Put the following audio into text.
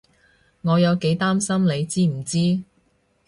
我有幾擔心你知唔知？